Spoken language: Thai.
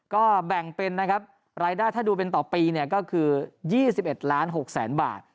ก็แบ่งเป็นรายได้ถ้าดูเป็นต่อปีก็คือ๒๑๖ล้านบาท